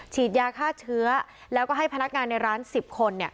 ฉีดยาฆ่าเชื้อแล้วก็ให้พนักงานในร้าน๑๐คน